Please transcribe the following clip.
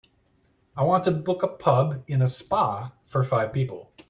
I want to book a pub in a spa for five people.